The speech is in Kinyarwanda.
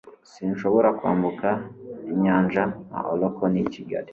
sinshobora kwambuka inyanja nka olokoni yikigali